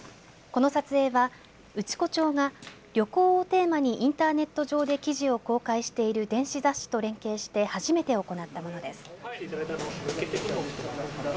この撮影は内子町が旅行をテーマにインターネット上で記事を公開している電子雑誌と連携して初めて行ったものです。